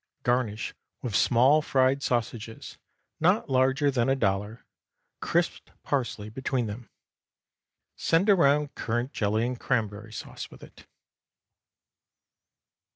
Garnish with small fried sausages, not larger than a dollar, crisped parsley between them. Send around currant jelly and cranberry sauce with it.